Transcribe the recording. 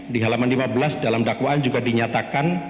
di halaman lima belas dalam dakwaan juga dinyatakan